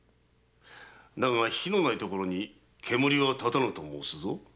だが「火のないところに煙は立たぬ」と申すぞ。